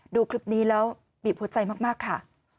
ดูคลิปนี้แล้วบีบหัวใจมากค่ะ